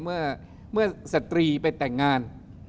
เมื่อสตรีไปแต่งงาน